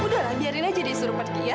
udah lah biarin aja dia suruh pergi ya